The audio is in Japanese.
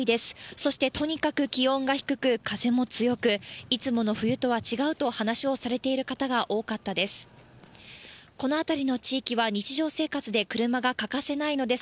そして、とにかく気温が低く、風も強く、いつもの冬とは違うと話をされている方が多かったです。